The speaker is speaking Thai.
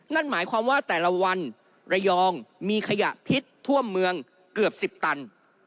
นั่นหมายความว่าแต่ละวันระยองมีขยะพิษท่วมเมืองเกือบ๑๐ตัน